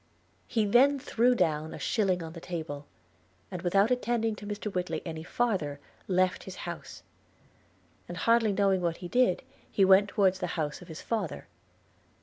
He then threw down a shilling on the table; and without attending to Mr Whitly any farther, left his house: and hardly knowing what he did, he went towards the house of his father.